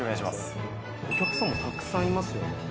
お客さんもたくさんいますよね。